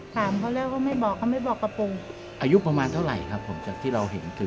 ถามเขาแล้วก็ไม่บอกเขาไม่บอกกระโปรงอายุประมาณเท่าไหร่ครับผมจากที่เราเห็นคือ